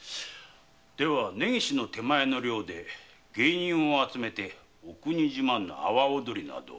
では根岸の手前の寮で芸人を集めてお国自慢の阿波踊りなどを。